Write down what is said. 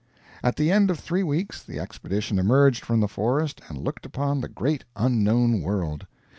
At the end of three weeks the expedition emerged from the forest and looked upon the great Unknown World.